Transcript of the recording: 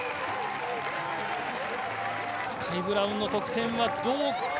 スカイ・ブラウンの得点はどうか。